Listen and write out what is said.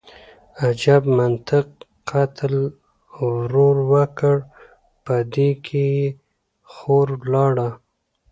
_اجب منطق، قتل ورور وکړ، په بدۍ کې يې خور لاړه.